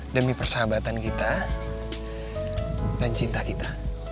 demi persahabatan kita dan cinta kita